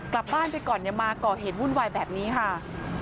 กลับบ้านไปก่อนอย่ามาก่อเหตุวุ่นวายแบบนี้ค่ะ